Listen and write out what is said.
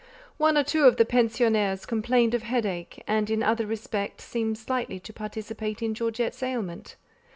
One or two of the pensionnaires complained of headache, and in other respects seemed slightly to participate in Georgette's ailment.